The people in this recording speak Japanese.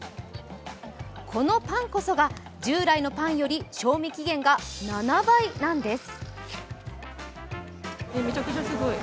このパンこそが従来のパンより賞味期限が７倍なんです。